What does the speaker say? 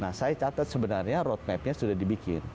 nah saya catat sebenarnya roadmapnya sudah dibikin